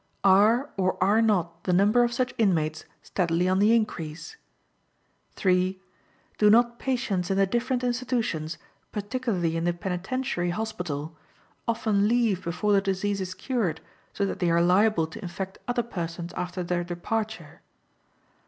Are, or are not, the number of such inmates steadily on the increase? "3. Do not patients in the different institutions, particularly in the Penitentiary Hospital, often leave before the disease is cured, so that they are liable to infect other persons after their departure?